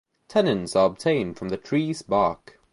Tannins are obtained from the trees' bark.